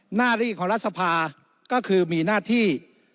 หน้าที่ของรัฐสภาก็คือมีหน้าที่